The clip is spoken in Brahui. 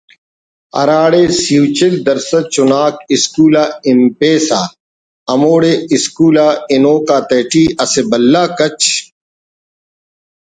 ہراڑے سِی و چل درسَد چناک اسکول آ ہنپسہ ہموڑے اسکول آ ہنوک آتیٹی اسہ بھلا کچ